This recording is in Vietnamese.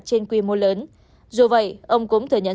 trên quy mô lớn dù vậy ông cũng thừa nhận